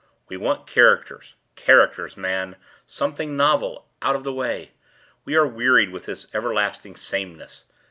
We want characters—characters, man—something novel—out of the way. We are wearied with this everlasting sameness.